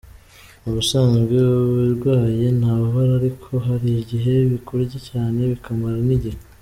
Mu busanzwe ubirwaye ntababara ariko hari igihe bikurya cyane bikamara n’igihe.